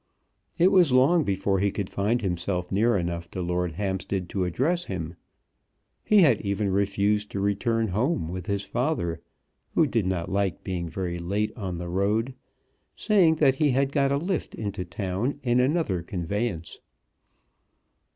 It was long before he could find himself near enough to Lord Hampstead to address him. He had even refused to return home with his father, who did not like being very late on the road, saying that he had got a lift into town in another conveyance.